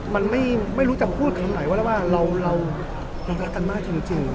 มันไม่ไม่รู้จะพูดขนาดไหนว่าเราเรารักกันมากจริงจริง